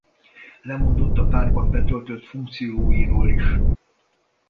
Lemondott a pártban betöltött funkcióiról is.